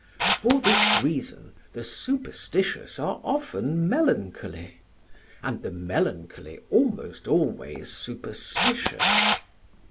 For this reason the superstitious are often melancholy, and the melancholy almost always superstitious.